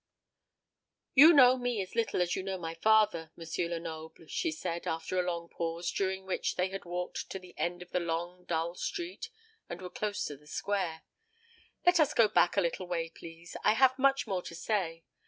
"You know me as little as you know my father, M. Lenoble," she said, after a long pause, during which they had walked to the end of the long dull street, and were close to the square. "Let us go back a little way, please; I have much more to say.